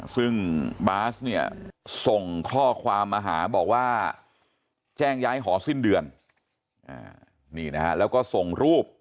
ซึ่งบาสเนี่ยส่งข้อความมาหาบอกว่าแจ้งย้ายหอสิ้นเดือนนี่นะฮะแล้วก็ส่งรูป